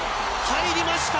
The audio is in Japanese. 入りました。